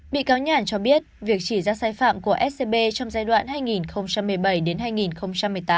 bị cáo nhàn cho biết việc chỉ ra sai phạm của scb trong giai đoạn hai nghìn một mươi bảy hai nghìn một mươi tám